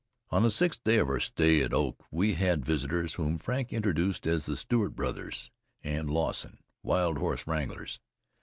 On the sixth day of our stay at Oak we had visitors, whom Frank introduced as the Stewart brothers and Lawson, wild horse wranglers.